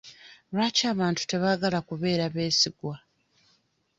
Lwaki abantu tebaagala kubeera beesigwa?